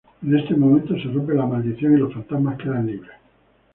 En ese momento se rompe la maldición y los fantasmas quedan libres.